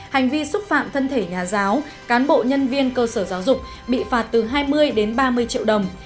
hành vi xúc phạm thân thể nhà giáo cán bộ nhân viên cơ sở giáo dục bị phạt từ hai mươi đến ba mươi triệu đồng